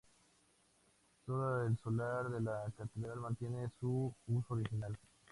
Solo el solar de la catedral mantiene su uso original.